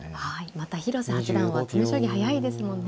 また広瀬八段は詰め将棋速いですもんね。